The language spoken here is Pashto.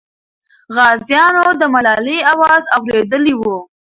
غازیانو د ملالۍ اواز اورېدلی وو.